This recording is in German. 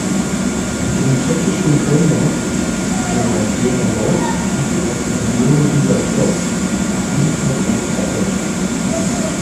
Im tschechischen Krnov, ehemals Jägerndorf, fertigt das Unternehmen Rieger-Kloss ebenfalls weiter Orgeln.